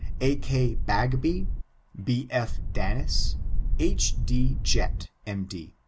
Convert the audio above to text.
A. K. BAGBY, B. F. DANIS. H.D. JBTT. M.